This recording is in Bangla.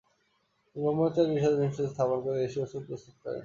তিনি ব্রহ্মচারী রিসার্চ ইনস্টিটিউট স্থাপন করে দেশী ওষুধ প্রস্তুত করেন।